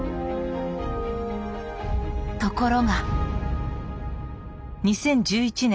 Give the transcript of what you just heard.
ところが。